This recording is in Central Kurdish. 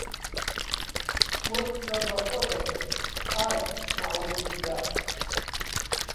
کورد سەربەخۆ دەچن ئای نەعوزیبیللا!